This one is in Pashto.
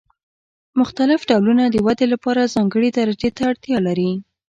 مختلف ډولونه د ودې لپاره ځانګړې درجې ته اړتیا لري.